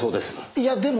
いやでも。